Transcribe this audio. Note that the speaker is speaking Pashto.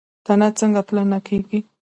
تنه څنګه پلنه کیږي؟